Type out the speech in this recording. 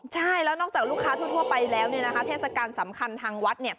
ใช่แล้วนอกจากลูกค้าทั่วไปแล้วเทศกาลสำคัญทางวัด